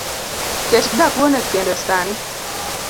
ket dakuon e kendo sani.